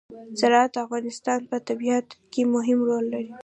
زراعت د افغانستان په طبیعت کې مهم رول لري.